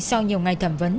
sau nhiều ngày thẩm vấn